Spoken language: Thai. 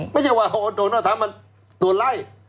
ไม่ใช่ว่าโดนออธรรมมันตัวไล่